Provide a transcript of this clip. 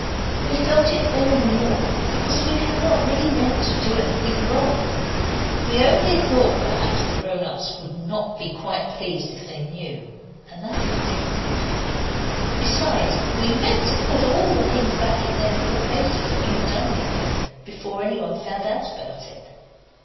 We felt it all the more because we had not really meant to do anything wrong. We only thought perhaps the grown ups would not be quite pleased if they knew, and that is quite different. Besides, we meant to put all the things back in their proper places when we had done with them before anyone found out about it.